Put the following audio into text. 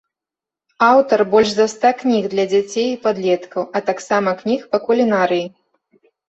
Аўтар больш за ста кніг для дзяцей і падлеткаў, а таксама кніг па кулінарыі.